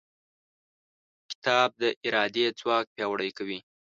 کتاب د ارادې ځواک پیاوړی کوي.